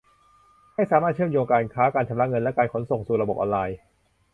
ให้สามารถเชื่อมโยงการค้า การชำระเงิน และการขนส่งสู่ระบบออนไลน์